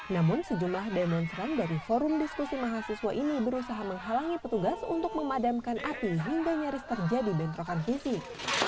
namun sejumlah demonstran dari forum diskusi mahasiswa ini berusaha menghalangi petugas untuk memadamkan api hingga nyaris terjadi bentrokan fisik